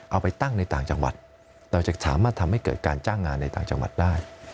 เอาไปตั้งในต่างจังหวัดเราจะสามารถทำให้เกิดการจ้างงานในต่างจังหวัดได้